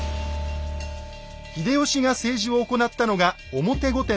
秀吉が政治を行ったのが「表御殿」です。